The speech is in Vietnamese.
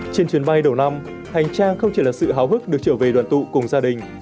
trên chuyến bay đầu năm hành trang không chỉ là sự hào hức được trở về đoàn tụ cùng gia đình